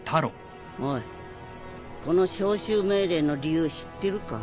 おいこの招集命令の理由知ってるか？